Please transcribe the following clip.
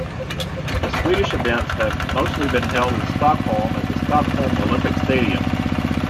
The Swedish events have mostly been held in Stockholm at the Stockholm Olympic Stadium.